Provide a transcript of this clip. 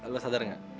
lo sadar gak